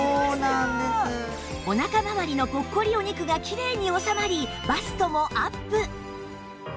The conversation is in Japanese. お腹回りのぽっこりお肉がきれいに収まりバストもアップ